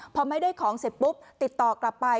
พอไม่ได้ของเสร็จปุ๊บติดต่อกลับไป